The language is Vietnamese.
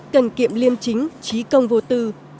điểm liên chính trí công vô tư